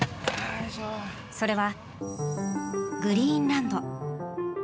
それは、グリーンランド。